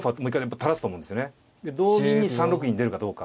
で同銀に３六銀出るかどうか。